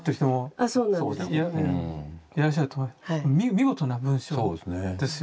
見事な文章ですよね。